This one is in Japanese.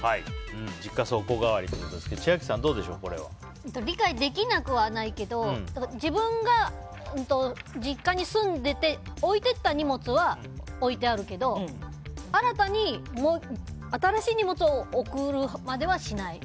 実家倉庫代わりということですが理解できなくはないけど自分が、実家に住んでて置いていった荷物は置いてあるけど新たに新しい荷物を送るまではしない。